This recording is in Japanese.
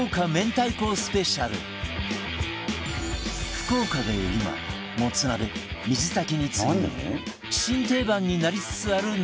福岡で今モツ鍋水炊きに次いで新定番になりつつある鍋が